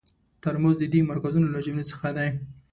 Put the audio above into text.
تلاموس د دې مرکزونو له جملو څخه دی.